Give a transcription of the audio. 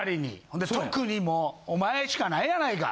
ほんで特にもうお前しかないやないか。